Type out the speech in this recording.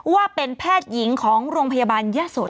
ว่าเป็นแพทย์หญิงของโรงพยาบาลยะสน